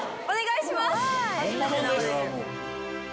お願いします。